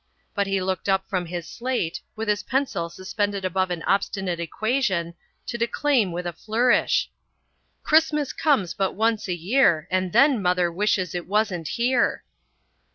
But he looked up from his slate, with his pencil suspended above an obstinate equation, to declaim with a flourish: "Christmas comes but once a year, And then Mother wishes it wasn't here."